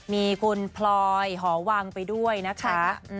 มีคุณพลอยหอวังไปด้วยนะคะ